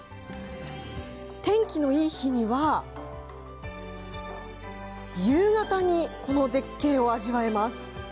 天気のいい日には夕方にこの絶景を味わえます。